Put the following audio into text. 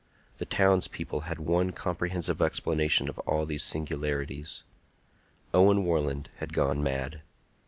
The towns people had one comprehensive explanation of all these singularities. Owen Warland had gone mad!